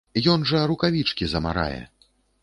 Ён жа рукавічкі замарае!